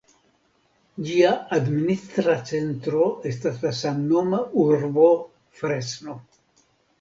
Ĝia administra centro estas la samnoma urbo Fresno.